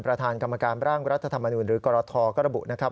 ประธานกรรมการบรรทธรรมนูญหรือกรทก็ระบุว่า